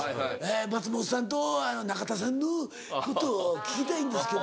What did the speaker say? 「松本さんと中田さんのことを聞きたいんですけど」